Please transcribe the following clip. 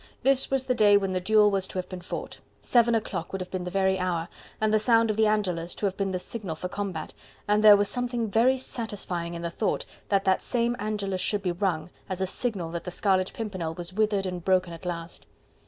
This was the day when the duel was to have been fought; seven o'clock would have been the very hour, and the sound of the Angelus to have been the signal for combat, and there was something very satisfying in the thought, that that same Angelus should be rung, as a signal that the Scarlet Pimpernel was withered and broken at last.